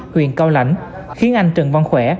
huyện cao lãnh khiến anh trần văn khỏe